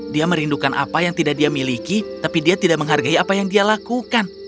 dia merindukan apa yang tidak dia miliki tapi dia tidak menghargai apa yang dia lakukan